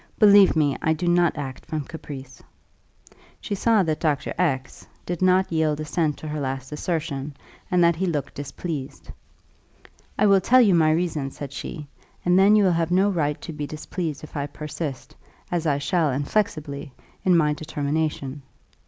Believe me, I do not act from caprice." She saw that Dr. X did not yield assent to her last assertion, and that he looked displeased. "I will tell you my reason," said she; "and then you will have no right to be displeased if I persist, as I shall inflexibly, in my determination.